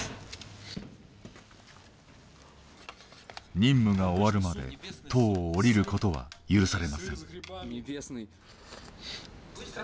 任務が終わるまで塔を降りることは許されません。